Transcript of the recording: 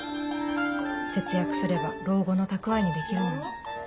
節約すれば老後の蓄えにできるのに